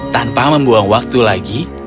tanpa membuang waktu lagi